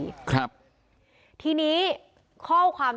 ในอำเภอศรีมหาโพธิ์จังหวัดปลาจีนบุรี